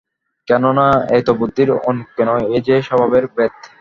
কেননা, এ তো বুদ্ধির অনৈক্য নয়, এ যে স্বভাবের ভেদ।